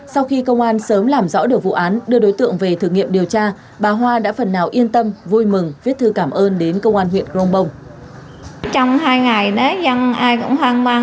sau khi công an sớm làm rõ được vụ án đưa đối tượng về thử nghiệm điều tra bà hoa đã phần nào yên tâm vui mừng viết thư cảm ơn đến công an huyện grongbong